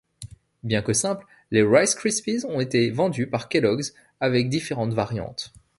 Bien que simple, les Rice Krispies ont été vendus par Kellogg's avec différentes variantes.